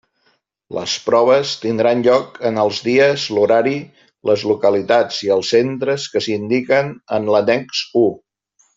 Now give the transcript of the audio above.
Les proves tindran lloc en els dies, l'horari, les localitats i els centres que s'indiquen en l'annex u.